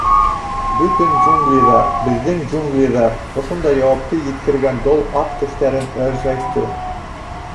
— Бөтөн джунглиҙар — беҙҙең джунглиҙар, — ошондай яуапты екергән дол аҡ тештәрен ыржайтты.